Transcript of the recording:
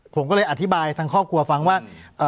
ผมก็เลยอธิบายทางครอบครัวฟังว่า